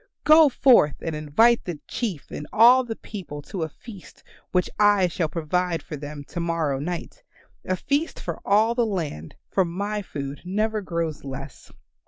Go forth and invite the Chief and all the people to a feast which I shall provide for them to morrow night a feast for all the land, for my food never grows less."